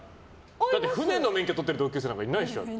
だって船の免許取ってる同級生なんていないでしょ？